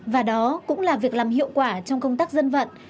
và đó cũng là việc làm hiệu quả trong công tác dân vận